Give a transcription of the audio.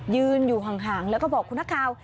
ยืนอยู่ห่างแล้วก็บอกคุณนักข่าว